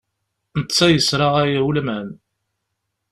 Netta yesraɣay ulman.